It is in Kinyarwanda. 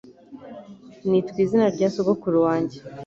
Nitwa izina rya sogokuru wanjye